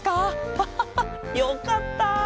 ハハハよかった！